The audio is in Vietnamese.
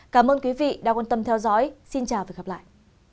cảm ơn quý vị đã quan tâm theo dõi xin chào và hẹn gặp lại